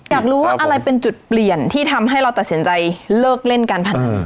อยากรู้ว่าอะไรเป็นจุดเปลี่ยนที่ทำให้เราตัดสินใจเลิกเล่นการพนัน